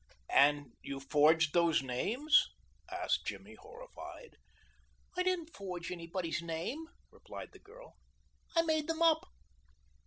"And you forged these names?" asked Jimmy, horrified. "I didn't forge anybody's name," replied the girl. "I made them up."